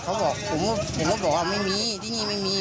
เขาบอกผมก็บอกว่าไม่มีที่นี่ไม่มี